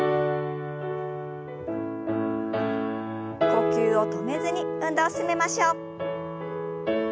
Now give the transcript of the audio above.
呼吸を止めずに運動を進めましょう。